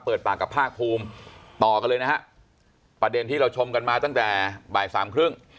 เปิดปากกับภาคภูมิต่อกันเลยนะฮะประเด็นที่เราชมกันมาตั้งแต่บ่ายสามครึ่ง